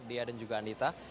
dia dan juga anita